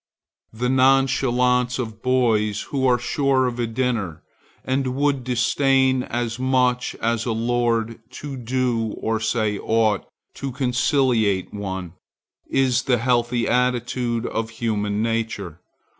The nonchalance of boys who are sure of a dinner, and would disdain as much as a lord to do or say aught to conciliate one, is the healthy attitude of human nature.